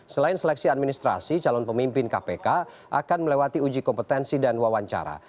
selain seleksi administrasi calon pemimpin kpk akan melewati uji kompetensi dan wawancara